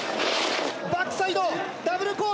バックサイドダブル